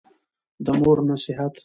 د مور نصېحت